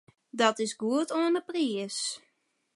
Dat is goed oan 'e priis.